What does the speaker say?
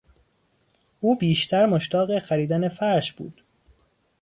او بیشتر مشتاق خریدن فرش بود.